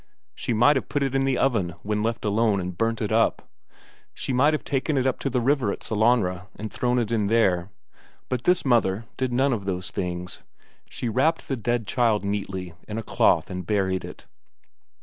She might have put it in the oven when left alone, and burnt it up. She might have taken it up to the river at Sellanraa and thrown it in there. But this mother did none of these things; she wrapped the dead child neatly in a cloth and buried it.